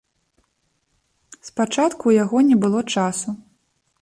Спачатку ў яго не было часу.